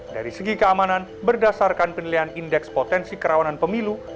dari segi keamanan berdasarkan penilaian indeks potensi kerawanan pemilu